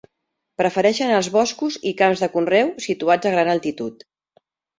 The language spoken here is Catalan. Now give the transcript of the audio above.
Prefereixen els boscos i camps de conreu situats a gran altitud.